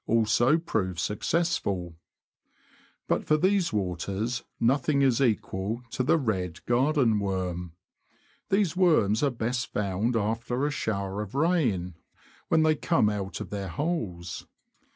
also prove successful; but for these waters nothing is equal to the red garden worm. These worms are best found after a shower of rain, when they come out of their holes.